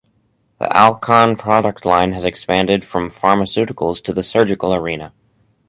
The Alcon product line has expanded from pharmaceuticals to the surgical arena.